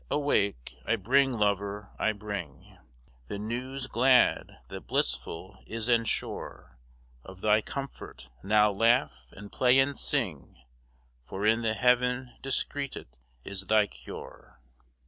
Awake! I bring, lover, I bring The newis glad, that blissful is and sure Of thy comfort; now laugh, and play, and sing, For in the heaven decretit is thy cure.